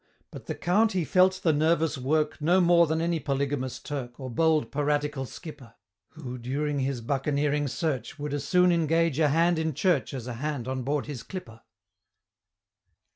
But the Count he felt the nervous work No more than any polygamous Turk, Or bold piratical skipper, Who, during his buccaneering search, Would as soon engage a hand in church As a hand on board his clipper!